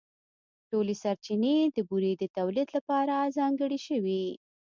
ټولې سرچینې د بورې د تولیدً لپاره ځانګړې شوې.